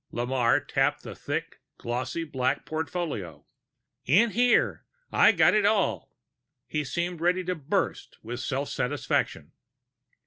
Lamarre tapped the thick, glossy black portfolio. "In here. I've got it all." He seemed ready to burst with self satisfaction.